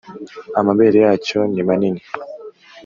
amabere yacyo nimanini